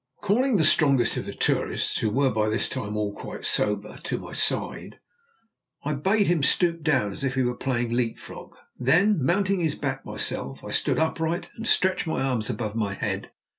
Calling the strongest of the tourists, who were by this time all quite sober, to my side, I bade him stoop down as if he were playing leap frog; then, mounting his back myself, I stood upright, and stretched my arms above my head.